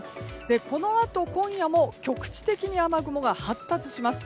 このあと今夜も局地的に雨雲が発達します。